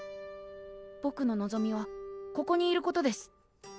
ぼくの望みはここにいることです。